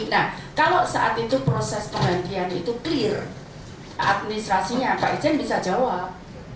nah kalau saat itu proses penggantian itu clear administrasinya pak irjen bisa jawab